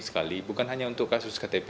sekali bukan hanya untuk kasus ktp